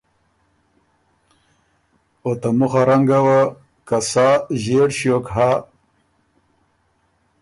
او ته مُخ ا رنګه وه که سا ݫئېړ ݭیوک هۀ،